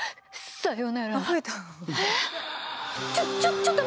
さよならあ。